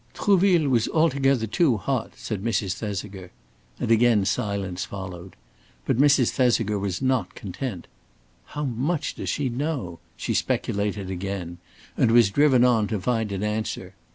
"Trouville was altogether too hot," said Mrs. Thesiger; and again silence followed. But Mrs. Thesiger was not content. "How much does she know?" she speculated again, and was driven on to find an answer.